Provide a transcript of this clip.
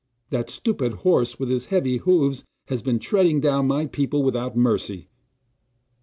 That stupid horse, with his heavy hoofs, has been treading down my people without mercy!